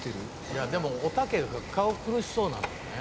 でもおたけ顔苦しそうなのよね。